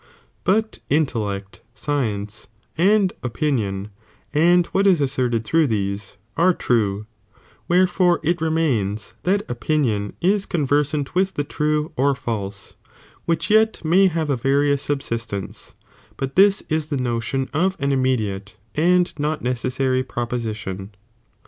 But inlellect, science, and opi Bet Mint nion, and wliat is asserted through these, are true, J^f,'f' ^ wher«fore it remaiiis that opinion is conversant with the true or false, which yet may have a Tarious suhsist ence, but this is tlie notion of an immediate and not neces sary proposition.